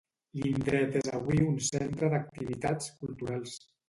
L’indret és avui un centre d’activitats culturals.